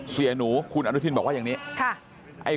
เสียหนูคุณอนุทินบอกว่าอย่างนี้